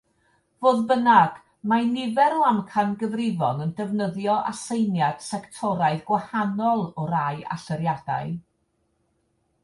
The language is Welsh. Fodd bynnag, mae nifer o amcangyfrifon yn defnyddio aseiniad sectoraidd gwahanol o rai allyriadau.